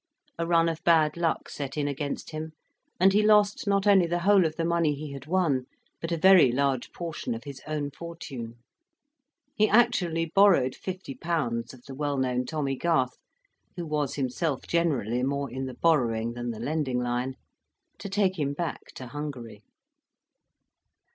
A run of bad luck set in against him, and he lost not only the whole of the money he had won, but a very large portion of his own fortune. He actually borrowed 50£. of the well known Tommy Garth who was himself generally more in the borrowing than the lending line to take him back to Hungary.